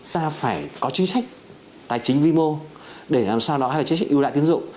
ta phải có chính sách tài chính vi mô để làm sao nó hay là chính sách ưu đại tiến dụng